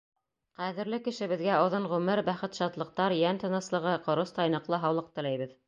Ҡәҙерле кешебеҙгә оҙон ғүмер, бәхет-шатлыҡтар, йән тыныслығы, ҡоростай ныҡлы һаулыҡ теләйбеҙ.